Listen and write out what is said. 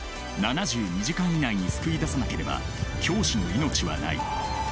「７２時間以内に救い出さなければ教師の命はない」。